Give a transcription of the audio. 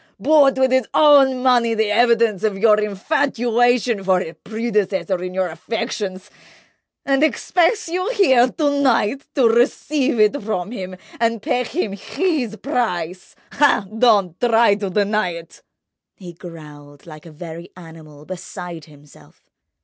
—bought with his own money the evidence of your infatuation for his predecessor in your affections—and expects you here to night to receive it from him and—pay him his price! Ah, don't try to deny it!" He growled like a very animal, beside himself.